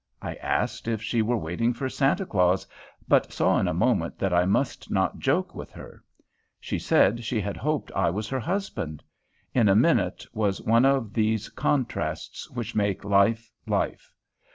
I asked if she were waiting for Santa Claus, but saw in a moment that I must not joke with her. She said she had hoped I was her husband. In a minute was one of these contrasts which make life, life.